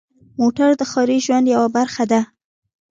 موټر د ښاري ژوند یوه برخه ده.